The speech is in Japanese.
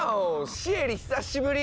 シエリ久しぶり！